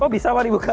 oh bisa banget dibuka